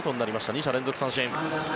２者連続三振。